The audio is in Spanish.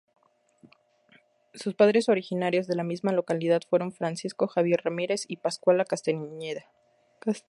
Sus padres originarios de la misma localidad fueron Francisco Javier Ramírez y Pascuala Castañeda.